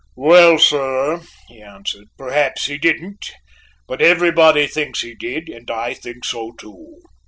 "Well, sir," he answered, "perhaps he didn't, but everybody thinks he did, and I think so too."